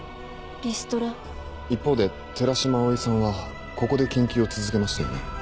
一方で寺島葵さんはここで研究を続けましたよね？